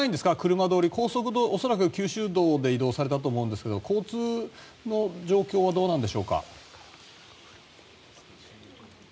車通り、恐らく九州道で移動されたと思うんですが交通の状況はどうなんでしょうか？